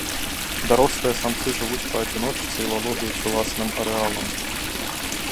Дарослыя самцы жывуць па адзіночцы і валодаюць уласным арэалам.